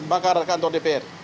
bakar kantor dpr